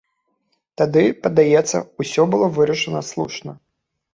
Тады, падаецца, усё было вырашана слушна.